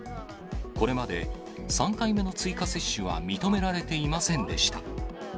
これまで、３回目の追加接種は認められていませんでした。